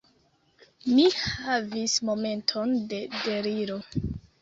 Mi havis momenton de deliro.